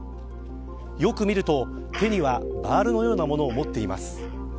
よく見ると、手にはバールのようなものを持っています。